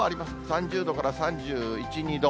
３０度から３１、２度。